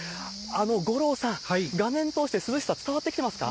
五郎さん、画面通して涼しさ伝わってきてますか？